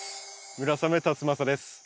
村雨辰剛です。